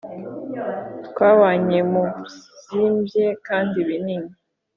twabanye mubyimbye kandi binini